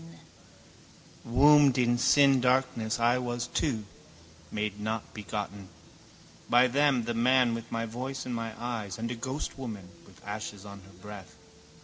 Womb of sin. Wombed in sin darkness I was too, made not begotten. By them, the man with my voice and my eyes and a ghostwoman with ashes on her breath.